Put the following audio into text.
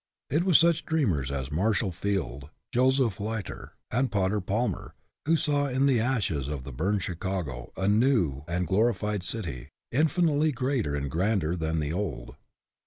It was such dreamers as Marshall Field, Joseph Leiter, and Potter Palmer, who saw in the ashes of the burned Chicago a new and glorified city, infinitely greater and grander than the old.